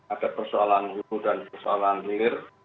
ada persoalan hulu dan persoalan hilir